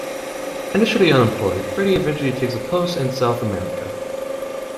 Initially unemployed, Freddie eventually takes a post in South America.